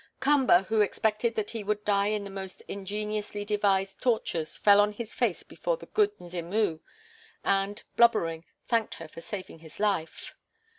Kamba, who expected that he would die in the most ingeniously devised tortures, fell on his face before the "Good Mzimu" and, blubbering, thanked her for saving his life.